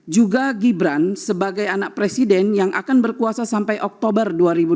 juga gibran sebagai anak presiden yang akan berkuasa sampai oktober dua ribu dua puluh